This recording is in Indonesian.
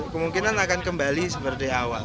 kemungkinan akan kembali seperti awal